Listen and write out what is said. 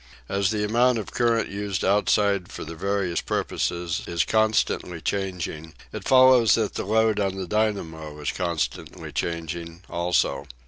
As the amount of current used outside for the various purposes is constantly changing, it follows that the load on the dynamo is constantly changing also.